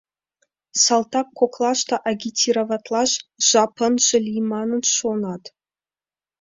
Салтак коклаште агитироватлаш жап ынже лий манын шонат.